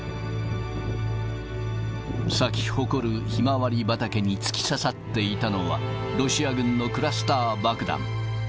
咲き誇るひまわり畑に突き刺さっていたのはロシア軍のクラスター爆弾。